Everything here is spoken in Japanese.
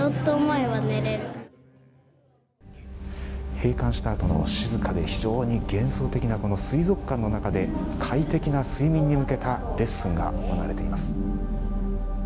閉館したあとの静かで非常に幻想的なこの水族館の中で快適な睡眠に向けたレッスンが行われています。